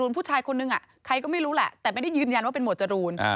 ผู้ชายคนนึงใครก็ไม่รู้แหละแต่ไม่ได้ยืนยันว่าเป็นหมวดจรูน